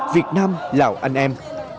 việt nam lào anh em